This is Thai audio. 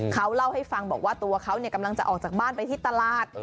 เขาเล่าให้ฟังบอกว่าตัวเขากำลังจะออกจากบ้านไปที่ตลาด